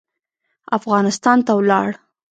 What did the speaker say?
افغانستان ته ولاړ.